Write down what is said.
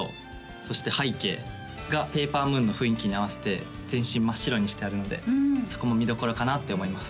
そして背景が「ＰａｐｅｒＭｏｏｎ」の雰囲気に合わせて全身真っ白にしてあるのでそこも見どころかなって思います